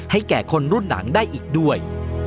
แก่คนรุ่นหนังได้อีกด้วย